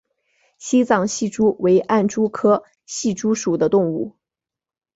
西藏隙蛛为暗蛛科隙蛛属的动物。